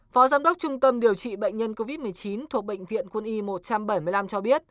phó giám đốc trung tâm điều trị bệnh nhân covid một mươi chín thuộc bệnh viện quân y một trăm bảy mươi năm cho biết